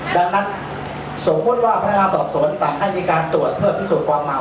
ดังนั้นสมมุติว่าพนักงานสอบสวนสั่งให้มีการตรวจเพื่อพิสูจน์ความเหมา